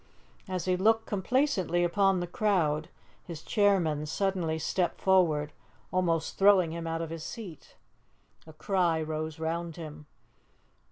As he looked complacently upon the crowd, his chairmen suddenly stepped forward, almost throwing him out of his seat. A cry rose round him.